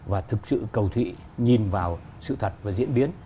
và thực sự cầu thị nhìn vào sự thật và diễn biến